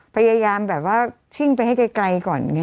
พยายามแบบว่าชิ่งไปให้ไกลก่อน